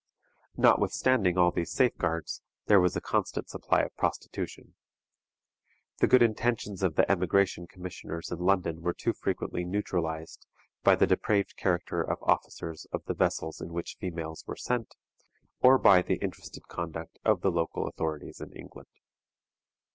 Notwithstanding all these safeguards, there was a constant supply of prostitution. The good intentions of the emigration commissioners in London were too frequently neutralized by the depraved character of officers of the vessels in which females were sent, or by the interested conduct of the local authorities in England.